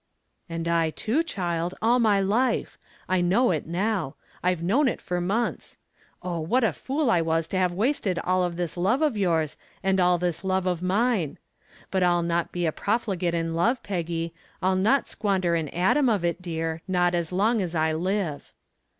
"And I, too, child, all my life. I know it now; I've known it for months. Oh, what a fool I was to have wasted all this love of yours and all this love of mine. But I'll not be a profligate in love, Peggy. I'll not squander an atom of it, dear, not as long as I live."